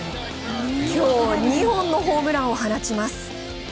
今日２本のホームランを放ちます。